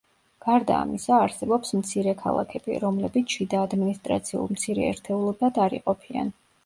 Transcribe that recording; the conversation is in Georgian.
გარდა ამისა, არსებობს მცირე ქალაქები, რომლებიც შიდა ადმინისტრაციულ მცირე ერთეულებად არ იყოფიან.